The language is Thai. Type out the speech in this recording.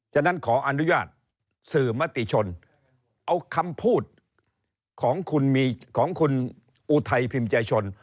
ฉะนั้นขออนุญาตสื่อมติชนเอาคำพูดของคุณมีของคุณอุทัยพิมพ์ใจชน